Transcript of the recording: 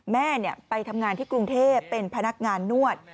แม่ไปทำงานที่กรุงเทพเป็นพนักงานนวด